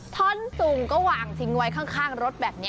ท่อนสูงก็วางทิ้งไว้ข้างรถแบบนี้